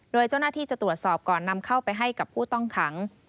โดยเจ้าหน้าที่จะตรวจสอบก่อนนำเข้าไปให้กับผู้ต้องขัง